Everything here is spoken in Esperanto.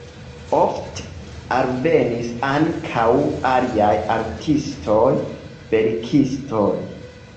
Ofte alvenis ankaŭ aliaj artistoj, verkistoj.